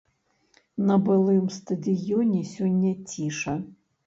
На былым стадыёне сёння ціша.